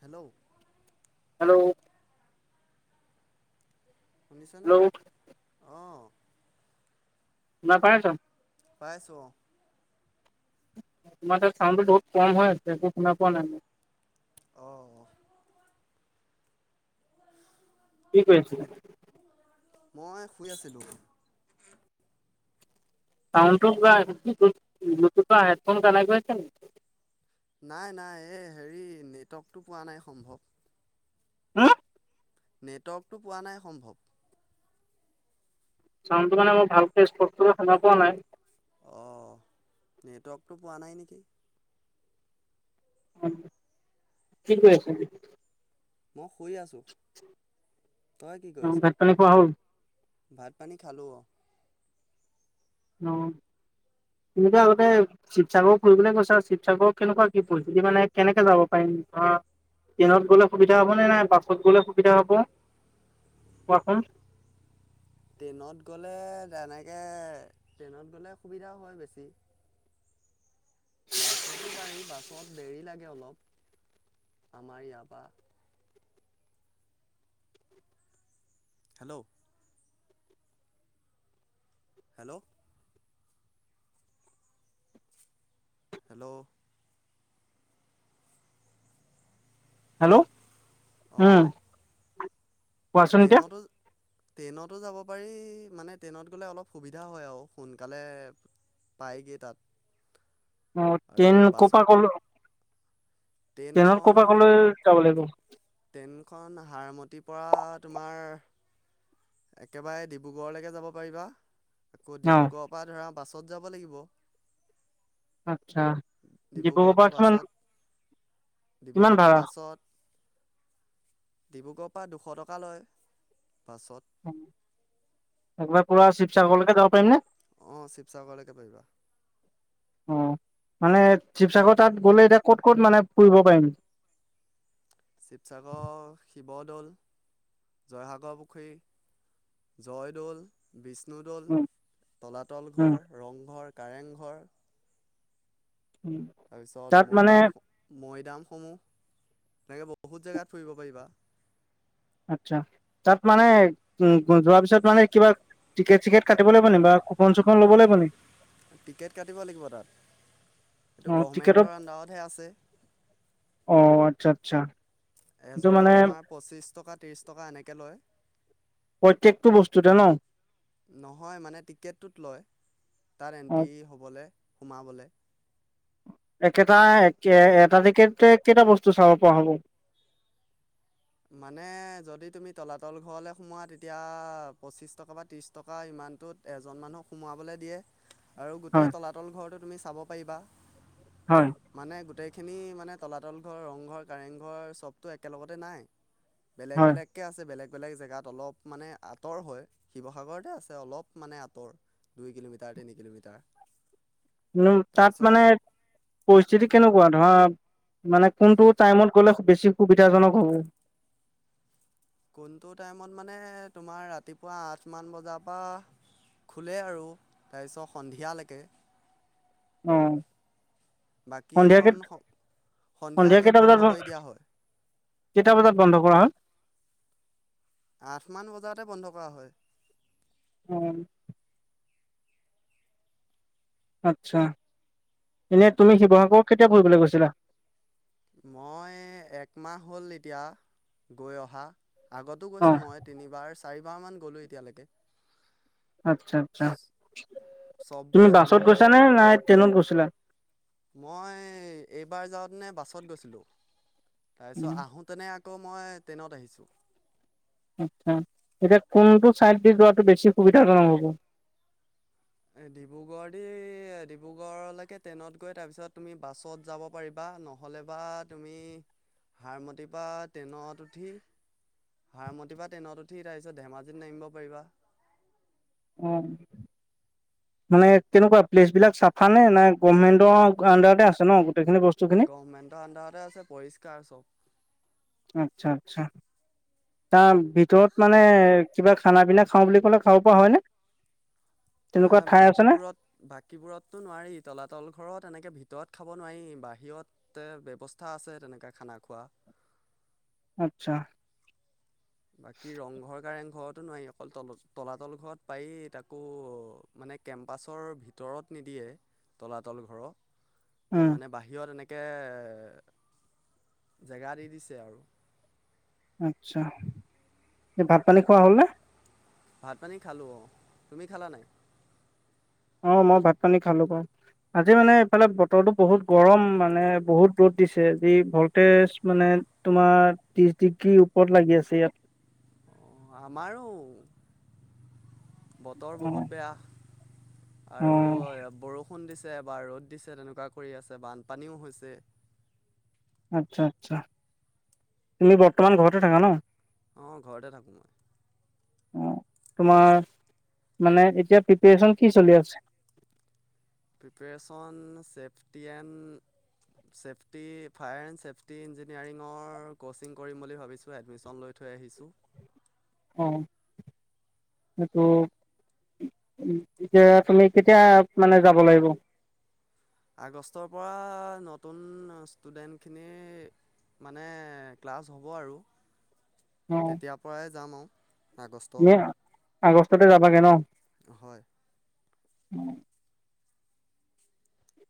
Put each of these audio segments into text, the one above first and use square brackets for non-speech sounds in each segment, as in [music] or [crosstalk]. Hello! Hello শুনিছনেেশ hello আহ নাপাইটাত। পাইছো। তোমাৰ তাত চাউনদটো বহুত কম হৈ আছে একো শুনা পোৱা নাই। আহ কি কৰিছ? মই শুই আছিলোঁ। চাউনড টো কিবা হেডফোন কানেক্ট হৈছে আছে নেকি? নাই নাই এই হেৰি নেটৱৰ্কটো পোৱা নাই সম্ভৱ। হোম, নেটৱৰ্কটো পোৱা নাই সম্ভৱ। চাউনডটো মানে মই ভালকে স্পষ্টকে শুনা পোৱা নাই। অ' নেটৱৰ্কটো পোৱা নাই নেকি? কি কৰি আছ এতিয়া। মই শুই আছো, তই কি অ' কৰিছ। ভাত পানী খোৱা হ'ল? ভাত পানী খালো। অ' তহঁতে আগতে শিৱসাগৰ ফুৰিবলৈ গৈছা আৰু শিৱসাগৰত কেনেকুৱা কি পৰিস্থিতি মানে কেনেকে যাব পাৰিম। ট্ৰেইনত গ'লে সুবিধা হ'বনে নাই বাছত গ'লে সুবিধা হ'ব। কোৱাচোন। ট্ৰেইনত গ'লে তেনেকে ট্ৰেইনত গ'লে সুবিধাও হয় বেছি। বাছতো পাৰি বাছত দেৰি লাগে অলপ আমাৰ ইয়াৰ পৰা। হেল্ল' হেল্ল' হেল্ল' হেল্ল' অ'। উম, কোৱাচোন এতিয়া? ট্ৰেইনতো ট্ৰেইনতো যাব পাৰি মানে ট্ৰেইনত গ'লে অলপ সুবিধা হয় আৰু সোনকালে পায়গে তাত। অ' আৰু ট্ৰেইন ক'ৰ বাছত পৰা কলো। ট্ৰেইনত ট্ৰেইনখন ক'ৰপ ক'লৈ যাব লাগিব। ট্ৰেইনখন হাড়মতিৰ পৰা তোমাৰ একেবাৰে ডিব্ৰুগড়লৈকে যাব পাৰিবা। আকৌ অ' ডিব্ৰুগড়ৰ পৰা ধৰা বাছত যাব লাগিব। আচ্ছা, জিপু ডিব্ৰুগড়ৰ ক পৰা পাৰটছ মান বাছত ডিব্ৰুগড়ৰ পৰা বাছত, ডিব্ৰুগড় পৰা দুশ টকা লয়। বাছত একবাৰ কা শিৱসাগৰলৈকে যাব পাৰিম ন? অ' শিৱসাগৰলৈকে পাবা। অ'। মানে শিৱসাগৰ তাত গ'লে এতিয়া ক'ত ক'ত মানে ফুৰিব পাৰিম? শিৱসাগৰ শিৱদৌল, জয়সাগৰ পুখুৰী। জয়দৌল বিচ বিষ্ণুদৌল, উম, তলাতল উম, ঘৰ, ৰংঘৰ, কাৰেংঘৰ। উম। তাৰপিছত তাত মানে মৈদাম মৈ দামসমূহ তেনেকৈ বহুত জেগাত ফুৰিব পাৰিবা। আচ্ছা, তাত মানে উ যোৱা পিছত মানে কিবা। টিকেট চিকেট কাটিব লাগিব নি বা কুপন চুফন ল'ব লাগিব নে। টিকেট কাটিব লাগিব তাত এইটো অ' টিকেটত গভমেণ্টৰ আণ্ডাৰতহে আছে। অ' আচ্ছা, আচ্ছা। এইটো মানে এজনৰ তোমাৰ পঁচিশ টকা ত্ৰিশ টকা এনেকে লয়। প্ৰত্যেকটো বস্তুতে ন। নহয় মানে টিকেটটোত লয়, তাত অ' এন্ট্ৰি হ'বল সোমাবলৈ। একেটা এটা দিকে কেইটা বস্তু চাব পৰা হ'ব? [inaudible] মানে যদি তুমি তলাতল ঘৰলৈ সোমোৱা তেতিয়া পঁচিছ টকা বা ত্ৰি ানত এজন মানুহক সোমোৱাবলৈ দিয়ে। আৰু গোটেই হয়, তলাতল ঘৰটো তুমি চাব পাৰিবা, হয়, মানে গোটেই খিনি মানে তলাতল ঘৰ ৰংঘৰ কাৰেংঘৰ চবটো একেলগতে নাই। বেলেগ হয়। বেলেগকে আছে বেলেগ বেলেগ জেগাত অলপ মানে আঁতৰ হয় শিৱসাগৰতে আছে অলপ মানে আঁতৰ। দুই কিলোমিটাৰ তিনি কিলোমিটাৰ। উ তাত তাৰপিছত মানে, পৰিস্থিতি কেনেকুৱা ধৰা মানে কোনটো টাইমত গলে বেছি সুবিধাজনক হ'ব। কোনটো টাইমত মানে তোমাৰ ৰাতিপুৱা আঠ মান বজাৰ পৰা খোলে আৰু তাৰপিছত সন্ধিয়ালৈকে। উম। বাকীকণ, সন্ধিয়া গেট কেইটা বন্ধ বজাত কৰি দিয়া হয়। কেইটা বজাত বন্ধ কৰা হয়? আঠমান বজাতে বন্ধ কৰা হয়। উম। আচ্ছা, এনে তুমি শিৱসাগৰ কেতিয়া ফুৰিবলৈ গৈছিলা? মই একমাহ হ'ল এতিয়া গৈ, অহা আগতো অ গৈছো মই তিনিবাৰ চাৰিবাৰ মান গলো এতিয়ালৈকে। আচ্ছা আচ্ছা, চববোৰ তুমি বাছত চালোঁগৈ গৈছানে নাই ট্ৰেনত গৈছিলা? মই এইবাৰ যাওঁতেনে বাছত গৈছিলোঁ, তাৰপিছত আহোঁতেনে আকৌ মই ট্ৰেনত আহিছোঁ। আচছা, এতিয়া কোনটো চাইড দি যোৱাটো বেছি সুবিধাজনক হ'ব? এ ডিব্ৰুগড় দি ডিব্ৰুগড়লৈকে ট্ৰেইনত গৈ তাৰপিছত তুমি বাছত যাব পাৰিবা। নহ'লে বা তুমি, হাৰমতিৰ পৰা ট্ৰেনত উঠি হাৰমতিৰ পৰা ট্ৰেনত উঠি তাৰপিছত ধেমাজিত নামিব পাৰিবা। অ'। মানে তেনেকুৱা প্লেচ বিলাক চাফা নে নাই গভমেন্টৰ আণ্ডাৰতে আছে ন। গোটেইখিনি বস্তু খিনি গভমেণ্টৰ আণ্ডাৰতে আছে পৰিষ্কাৰ চব। আচ্ছা আচ্ছা। তাৰ ভিতৰত মানে কিবা খানা পিনা খাওঁ বুলি ক'লে খাব পৰা হয়নে? তেনেকুৱা অ' ঠাই আছে নে? বাকীবোৰত বাকীবোৰততো নোৱাৰি তলাতল ঘৰত তেনেকে ভিত ত খাব নোৱাৰি বাহিৰতে ব্যৱস্থা আছে তেনেকৈ খানা খোৱা। আচ্ছা। বাকী ৰংঘৰ কাৰেং ঘৰত। নোৱাৰি অকল তলত তলাতল ঘৰত পাৰি তাকো মানে কেম্পাছৰ ভিতৰত নিদিয়ে। তলাতল ঘৰৰ উম মানে বাহিৰত এনে কে, জেগা দি দিছে আৰু। আচ্ছা, ভাত পানী খোৱা হ'লনে? ভাত পানী খালোঁ, তুমি খালা নাই? অ' মই ভাত পানী খালো। আজি মানে এইফালে বতৰটো বহুত গৰম মানে বহুত ৰ'দ দিছে যি ভলটেজ মানে তোমাৰ ত্ৰিশ ডিগ্ৰী ওপৰত লাগি আছে ইয়া? অ' আমাৰো বতৰ অ বহুত বেয়া অ আৰু, বৰষুণ দিছে। বা ৰ'দ দিছে তেনেকুৱা কৰি আছে বানপানীও হৈছে। আচ্ছা আচ্ছা, তুমি বৰ্তমান ঘৰতে থাকা ন? অ' ঘৰতে থাকোঁ মই। অ' তোমাৰ মানে এতিয়া প্ৰিপাৰেচন কি চলি আছে? পিপাৰেশন চেফটিয়েণ চেফটি ফায়াৰ এণ্ড চেফটি ইঞ্জিনিয়াৰিঙৰ কচিং কৰিম বুলি ভাবিছো এডমিচন লৈ থই ৰাখিছো। অ' সেইটো এতিয়া তুমি কেতিয়া মানে যাব লাগিব? আগষ্টৰ পৰা নতুন ষ্টুডেণ্টখিনি মানে ক্লাছ হ'ব আৰু, অ তেতিয়াৰ পৰাই যাম আৰু। আগষ্টৰ। তুমি আগষ্টতে যাবাগে ন? হয়। উম।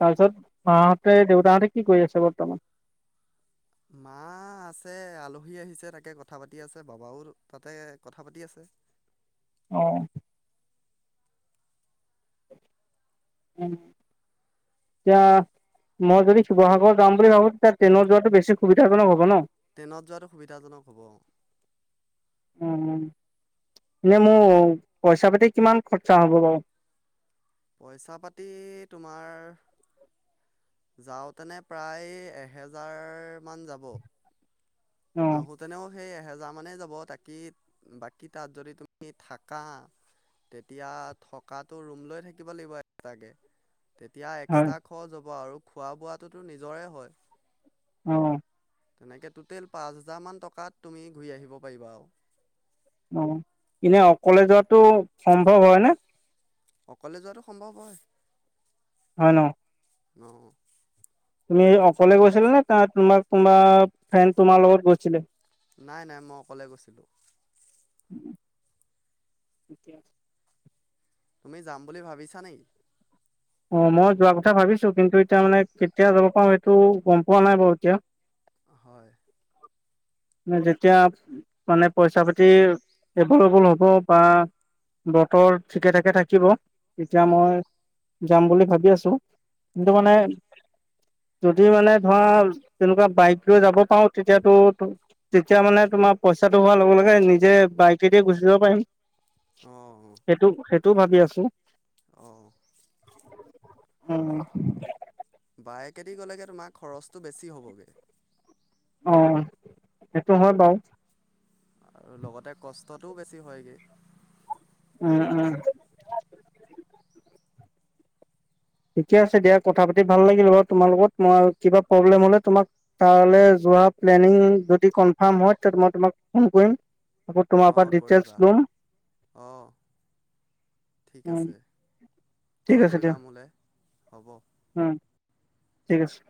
তাৰপিছত মাহঁতে দেউতাহঁতে কি কৰি আছে বৰ্তমান? মা আছে আলহী আহিছে তাকে কথা পাতি আছে বাবাও তাতে কথা পাতি আছে। [inaudible] অ'। উম। এতিয়া, মই যদি শিৱসাগৰ যাম বুলি ভাবো তেতিয়া ট্ৰেইনত যোৱাাতটো বেছি সুবিধাজনক হ'ব ন? ট্ৰেইনত যোৱাটো সুবিধাজনক হ'ব। উম। এনে মোৰ পইচা পাতি কিমান খৰচা হ'ব বাৰু? পইচা পাতি তোমাৰ যাওঁতেনে প্ৰায় এহেজাৰ মান যাব। অ আহ তেনে সেই এহেজাৰ মানেই যাব তাকি বাকী তাত যদি তুমি থাকা। তেতিয়া থকাাতটো ৰুম লৈ থাকিব লাগিব এটাকে। তেতিয়া হয় এক্সট্ৰা খৰচ হ'ব আৰু খোৱা বোৱটোতো নিজৰে হয়। অ'। তেনেকে টুটেল পাঁচ হাজাৰ মান টকাত তুমি ঘূৰি আহিব পাৰিবা আৰু। অ' এনে অকলে যোৱাাতটো সম্ভৱ হয় নে? অকলে যোৱাটো সম্ভৱ হয়। হয় ন? অ'। তুমি অকলে গৈছিলা নে ত তোমাক তোাৰ ফ্ৰেণ্ড তোমাৰ লগত গৈছিলে? নাই নাই মই অকলে গৈছিলোঁ। [inaudible] তুমি যাম বুলি ভাবিছা নে? অ' মই যোৱা কথা ভাবিছো কিন্তু এতিয়া মানে কেতিয়া যাব পাৰো সেইটো গম পোৱা নাই বাৰু এতিয়া হয়। ম যেতিয়া মানে পইচা পাতি, এভলেবল হ'ব বা বতৰ ঠিকে ঠাকে থাকিব। তেতিয়া মই উম যাম বুলি ভাবি আছো কিন্তু মানে অঁ যদি মানে ধৰা তেনেকুৱা বাইক লৈ যাব পাৰো তেতিয়াতো তেতিয়া মানে তোমাৰ পইচাটো হোৱাৰ লগে লগে নিজে বাইকেদিয় গুচি যাব পাৰিম। সেইটো সেইটোও ভাবি আছো। অ'। উম। বাইেকেদি গ'লেগে তোমাৰ খৰচটো বেছি হ'বগৈ। অ' সেইটো হয় বাৰু। আৰু লগতে কষ্টটোও বেছি হয়গৈ। উম উম। ঠিকে আছে দিয়া কথা পাতি ভাল লাগিল বাৰু তোমাৰ লগত মই কিবা প্ৰব্লেম হলে তোমাক ত ্ যদি কনফ হয় মই তমাক ফোন কৰিম। আোৰ তোমাৰ অঁ পৰা ডিটেইলছ কৰিবা লুম। অঁ ঠিক আছে ঠিক কল আছে দিয়া কৰিবা মোলে, হব? উম ঠিক আছে।